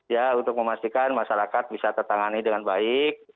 ya untuk memastikan masyarakat bisa tertangani dengan baik